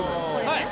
はい。